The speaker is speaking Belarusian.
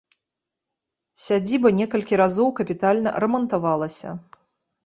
Сядзіба некалькі разоў капітальна рамантавалася.